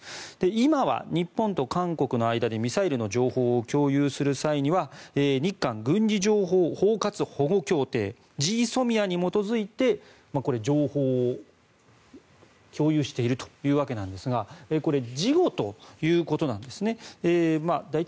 今は日本と韓国の間でミサイルの情報を共有する際には日韓軍事情報包括保護協定・ＧＳＯＭＩＡに基づいてこれは情報を共有しているというわけなんですがこれ事後ということなんですね。